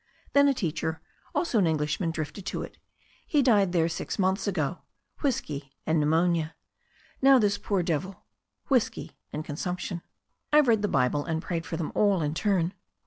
Then a teacher, also an English man, drifted to it. He died there six months ago — ^whisky and pneumonia. Now this poor devil — whisky and consump tion. I've read the Bible and prayed for them all in turn."